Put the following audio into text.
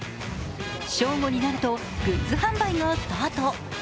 正午になると、グッズ販売がスタート。